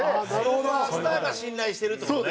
スーパースターが信頼してるって事ね。